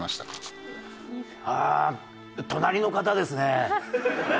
ああ隣の方ですね。